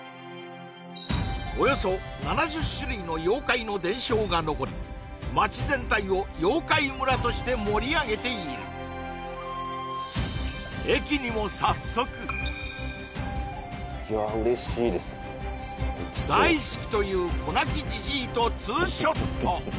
およそ７０種類の妖怪の伝承が残り町全体を妖怪村として盛り上げている駅にも早速駅長大好きというこなき爺とツーショット